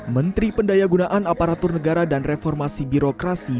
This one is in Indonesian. menteri pendaya gunaan aparatur negara dan reformasi birokrasi